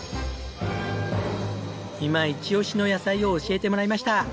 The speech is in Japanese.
今イチオシの野菜を教えてもらいました。